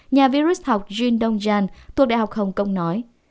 nhà virus học jin dong jan thuộc đại học hồng kông nói